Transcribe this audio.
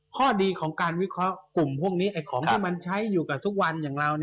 ข้อดีของการวิเคราะห์กลุ่มพวกนี้ของที่มันใช้อยู่กับทุกวันอย่างเรา